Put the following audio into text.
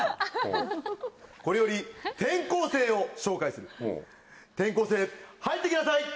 これより転校生を紹介する転校生入って来なさい！